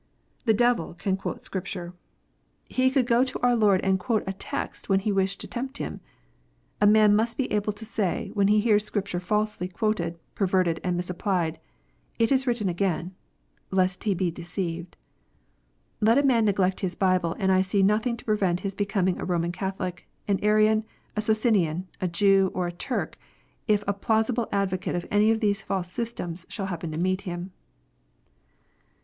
The devil can quote Scripture. 60 KNOTS UNTIED. He could go to our Lord and quote a text when he wished to tempt Him. A man must be able to say, when he hears Scrip ture falsely quoted, perverted, and misapplied, "It is written again," lest he be deceived. Let a man neglect his Bible, and I see nothing to prevent his becoming a Roman Catholic, an Arian, a Socinian, a Jew, or a Turk, if a plausible advocate of any of these false systems shall happen to meet him.